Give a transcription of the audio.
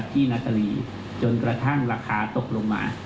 นาตรีจนกระทั่งราคาตกลงมา